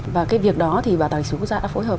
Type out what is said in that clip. và cái việc đó thì bảo tàng lịch sử quốc gia đã phối hợp